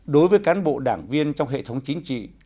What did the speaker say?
đối với cán bộ đảng viên trong hệ thống chính trị